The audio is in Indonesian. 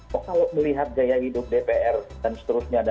kok kalau melihat gaya hidup dpr dan seterusnya